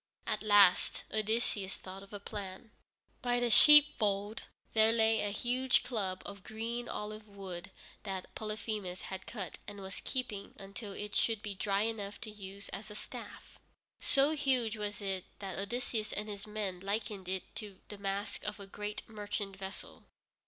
At last Odysseus thought of a plan. By the sheepfold there lay a huge club of green olive wood that Polyphemus had cut and was keeping until it should be dry enough to use as a staff. So huge was it that Odysseus and his men likened it to the mast of a great merchant vessel.